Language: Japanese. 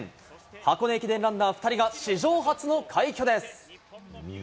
箱根駅伝ランナー２人が、史上初の快挙です。